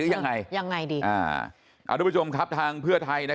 อย่างไงดิ